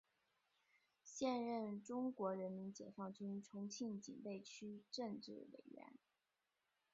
现任中国人民解放军重庆警备区政治委员。